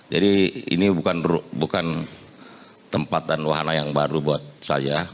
jadi ini bukan tempat dan wahana yang baru buat saya